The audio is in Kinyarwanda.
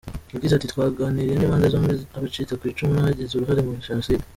Yagize ati: “Twaganiriye n’impande zombi; abacitse ku icumu n’abagize uruhare muri Jenoside.